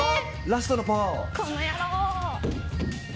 ラストのパワーを。